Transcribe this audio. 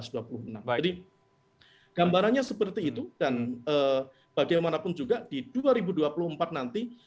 jadi gambarannya seperti itu dan bagaimanapun juga di dua ribu dua puluh empat nanti